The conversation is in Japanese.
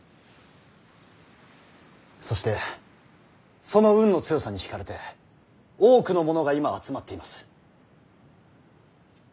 そしてその運の強さに引かれて多くの者が今集まっています。